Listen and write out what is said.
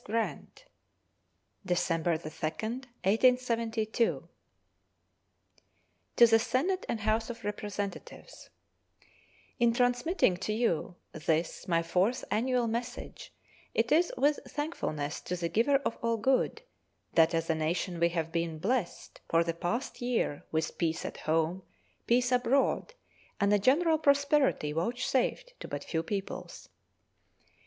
Grant December 2, 1872 To the Senate and House of Representatives: In transmitting to you this my fourth annual message it is with thankfulness to the Giver of All Good that as a nation we have been blessed for the past year with peace at home, peace abroad, and a general prosperity vouchsafed to but few peoples.